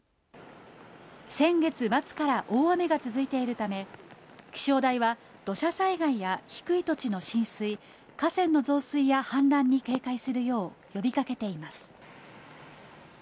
先月末から大雨が続いているため、気象台は、土砂災害や低い土地の浸水、河川の増水や氾濫に警戒するよう呼びかけています。